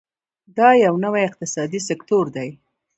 دا یو نوی اقتصادي سکتور دی.